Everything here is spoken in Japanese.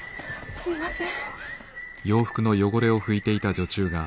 すんません。